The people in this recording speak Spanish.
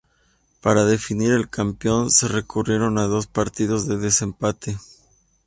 Para definir al campeón, se recurrieron a dos partidos de desempate.